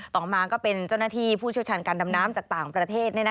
ต่อมาก็เป็นเจ้าหน้าที่ผู้เชี่ยวชาญการดำน้ำจากต่างประเทศ